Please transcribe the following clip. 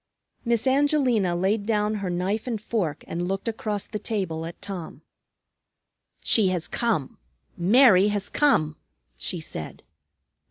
Miss Angelina laid down her knife and fork and looked across the table at Tom. "She has come. Mary has come," she said.